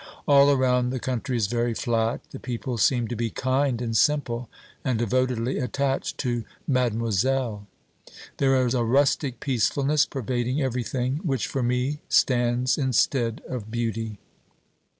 All around the country is very flat. The people seem to be kind and simple, and devotedly attached to "Mademoiselle." There is a rustic peacefulness pervading everything which, for me, stands instead of beauty.